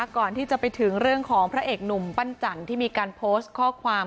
ก่อนที่จะไปถึงเรื่องของพระเอกหนุ่มปั้นจันทร์ที่มีการโพสต์ข้อความ